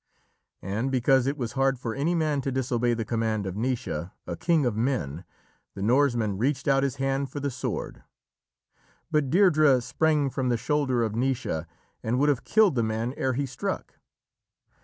And because it was hard for any man to disobey the command of Naoise, a king of men, the Norseman reached out his hand for the sword. But Deirdrê sprang from the shoulder of Naoise and would have killed the man ere he struck.